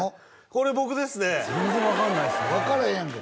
これ僕ですね全然分かんないですね分からへんやんけ